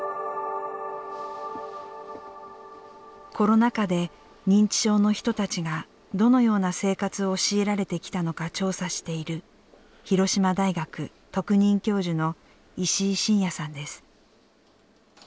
コロナ禍で認知症の人たちがどのような生活を強いられてきたのか調査している広島大学特任教授の石井伸弥さんです。